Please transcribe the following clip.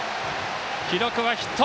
記録はヒット。